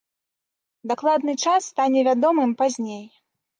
Дакладны час стане вядомым пазней.